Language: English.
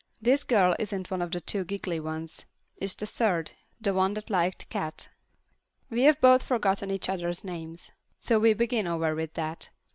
This girl isn't one of the two giggly ones. It's the third, the one that liked Cat. We've both forgotten each other's names, so we begin over with that.